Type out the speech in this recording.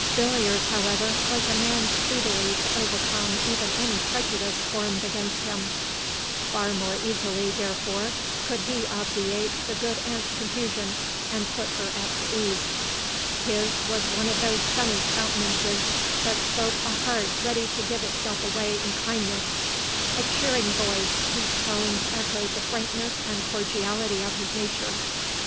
Villiers, however, was a man speedily to overcome even any prejudice formed against him ; far more easily, therefore, could he obviate the good aunt's confusion, and put her at her ease. His was one of those sunny countenances that spoke a heart ready to give itself away in kindness ;— a cheering voice, whose tones echoed the frankness and cordiality of his nature.